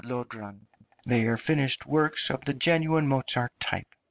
Lodron; they are finished works of the genuine Mozart type.